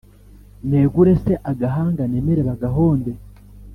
Negure se agahanga Nemere bagahonde